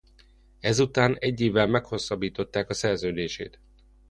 Ezután egy évvel meghosszabbították a szerződését.